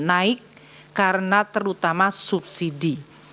naik karena terutama subsidi